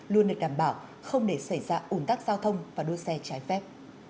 luôn được đảm bảo không để xảy ra ủn tắc giao thông và đua xe trái phép